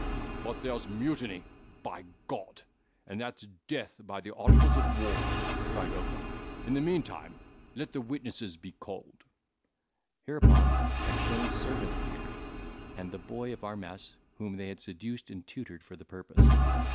"But there's mutiny, by G—d, and that's death by the articles of war!" cried Oakum: "In the meantime, let the witnesses be called." Hereupon Mackshane's servant appeared, and the boy of our mess, whom they had seduced and tutored for the purpose.